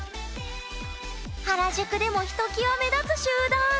原宿でもひときわ目立つ集団。